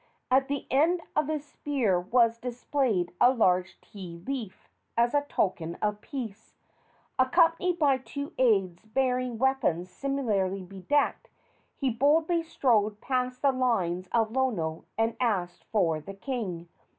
At the end of his spear was displayed a large ti leaf as a token of peace. Accompanied by two aids bearing weapons similarly bedecked, he boldly strode past the lines of Lono and asked for the king.